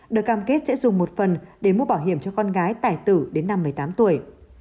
được cam kết sẽ dùng một phần để mua bảo hiểm cho con gái tài tử đến năm một mươi tám tuổi